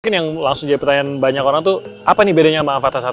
mungkin yang langsung jadi pertanyaan banyak orang tuh apa nih bedanya sama fata satu